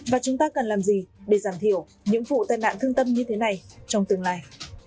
và chúng ta cần làm gì để giảm thiểu những vụ tai nạn thương tâm như thế này trong tương lai